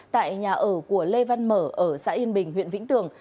tại nhà ở của lê văn mở ở xã yên bình huyện vĩnh tường